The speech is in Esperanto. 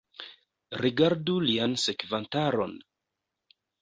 Rigardu lian sekvantaron!